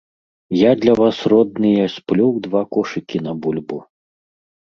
Я для вас, родныя, сплёў два кошыкі на бульбу.